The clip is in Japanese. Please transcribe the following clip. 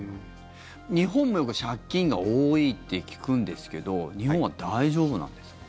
日本も借金が多いって聞くんですけど日本は大丈夫なんですか？